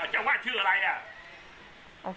เจ้าอาวาสชื่ออะไรอะ